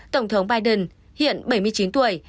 tổng thống biden hiện bảy mươi chín tuổi